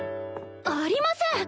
ありません！